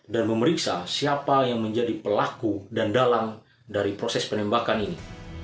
dan memeriksa siapa yang menjadi pelaku dan dalang dari proses penembakan ini